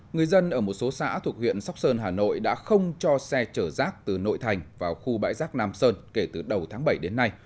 người dân ở một số xã thuộc huyện sóc sơn hà nội đã không cho xe chở rác từ nội thành vào khu bãi rác nam sơn kể từ đầu tháng bảy đến nay